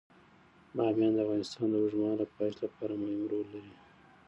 بامیان د افغانستان د اوږدمهاله پایښت لپاره مهم رول لري.